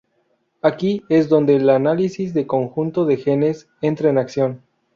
Aquí es donde el análisis de conjunto de genes entra en acción.